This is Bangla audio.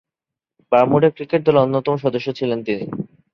বারমুডা ক্রিকেট দলের অন্যতম সদস্য ছিলেন তিনি।